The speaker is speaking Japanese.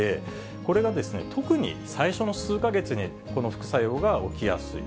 これが特に最初の数か月に、この副作用が起きやすい。